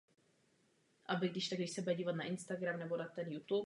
Nejmodernější a nejobsáhlejší kodex základních práv se stává evropským zákonem.